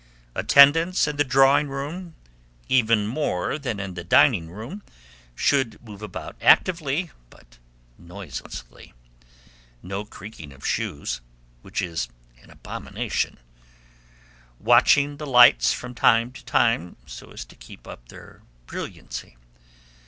Attendants in the drawing room, even more than in the dining room, should move about actively but noiselessly; no creaking of shoes, which is an abomination; watching the lights from time to time, so as to keep up their brilliancy.